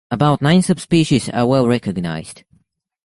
About nine subspecies are well recognized.